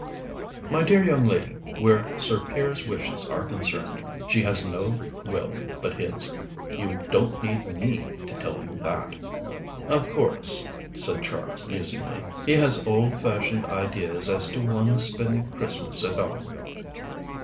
"My dear young lady, where Sir Piers's wishes are concerned, she has no will but his. You don't need me to tell you that." "Of course," said Char musingly, "he has old fashioned ideas as to one's spending Christmas at home."